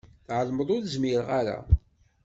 Tεelmeḍ ur zmireɣ ara.